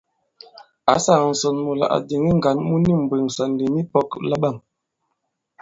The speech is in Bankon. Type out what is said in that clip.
Ǎ sāā ǹsɔn mula à dìŋi ŋgǎn mu ni mbwèŋsà nì mipɔ̄k laɓâm.